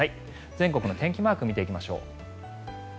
全国の天気マーク見ていきましょう。